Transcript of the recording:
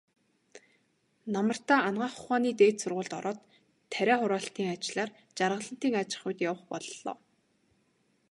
Намартаа Анагаах ухааны дээд сургуульд ороод, тариа хураалтын ажлаар Жаргалантын аж ахуйд явах боллоо.